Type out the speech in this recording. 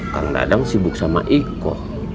kang dadang sibuk sama iko